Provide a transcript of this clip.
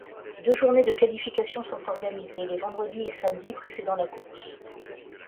Deux journées de qualifications sont organisées, les vendredi et samedi précédant la course.